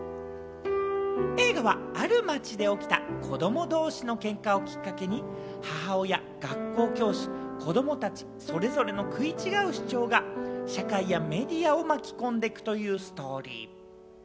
映画は、ある町で起きた子供同士のケンカをきっかけに、母親、学校教師、子供たち、それぞれの食い違う主張が社会やメディアを巻き込んでいくというストーリー。